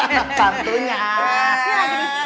masakan lagi disini